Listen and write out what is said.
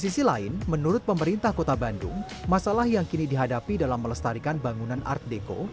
sisi lain menurut pemerintah kota bandung masalah yang kini dihadapi dalam melestarikan bangunan art deco